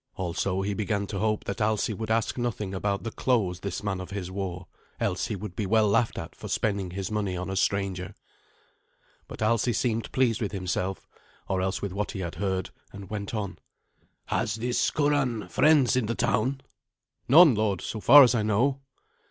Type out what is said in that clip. Also he began to hope that Alsi would ask nothing about the clothes this man of his wore, else he would be well laughed at for spending his money on a stranger. But Alsi seemed pleased with himself, or else with what he had heard, and went on. "Has this Curan friends in the town?" "None, lord, so far as I know."